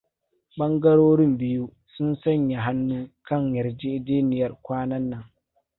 Ɓangarorin biyu, sun sanya hannu kan yarjejeniyar kwanan nan.